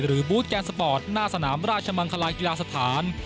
บูธแกนสปอร์ตหน้าสนามราชมังคลากีฬาสถาน